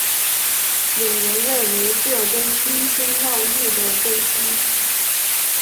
有人认为这跟金星绕日的周期。